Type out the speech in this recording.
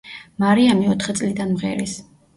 მარიამი ოთხი წლიდან მღერის.